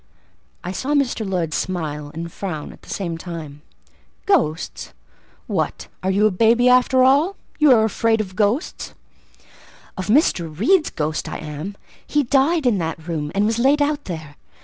I saw Mr. Lloyd smile and frown at the same time. "Ghost! What, you are a baby after all! You are afraid of ghosts?" "Of Mr. Reed's ghost I am: he died in that room, and was laid out there.